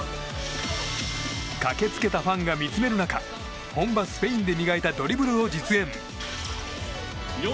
駆けつけたファンが見つめる中本場スペインで磨いたドリブルを実演。